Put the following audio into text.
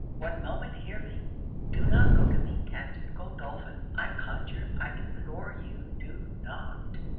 One moment hear me! Do not go to meet Captain Godolphin. I conjure, I implore you do not!'